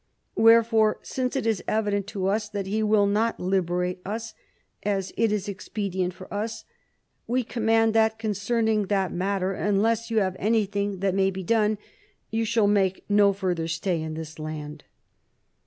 Wherefore, since it is evident to us that he will not liberate us as it is expedient for us, we command that, concerning that matter, unless you have anything that may be done, you shall make no further stay in this land."